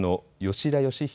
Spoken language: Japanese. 吉田圭秀